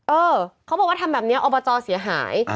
เออเขาบอกว่าทำแบบนี้อบจเสียหาย